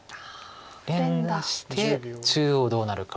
連打して中央どうなるか。